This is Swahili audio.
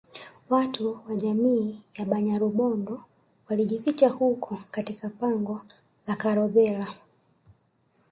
Watu wa jamii ya Banyarubondo walijificha huko katika pango la Karobhela